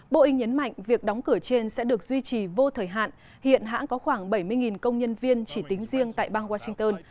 boeing nhấn mạnh việc đóng cửa trên sẽ được duy trì vô thời hạn hiện hãng có khoảng bảy mươi công nhân viên chỉ tính riêng tại bang washington